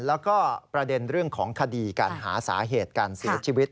แล้วก็ประเด็นเรื่องของคดีการหาสาเหตุการเสียชีวิต